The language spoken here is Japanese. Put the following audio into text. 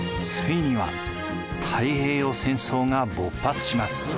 ついには太平洋戦争が勃発します。